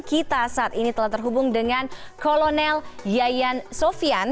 kita saat ini telah terhubung dengan kolonel yayan sofian